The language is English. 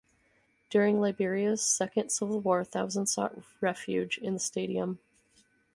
During Liberia's second civil war, thousands sought refuge in the stadium.